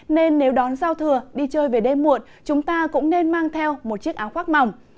nên nếu đón giao thừa đi chơi về đêm muộn chúng ta cũng nên mang theo một chiếc áo khoác mỏng